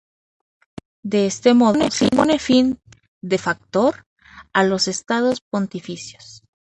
De este modo se pone fin "de facto" a los Estados Pontificios.